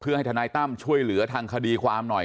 ให้ทนายตั้มช่วยเหลือทางคดีความหน่อย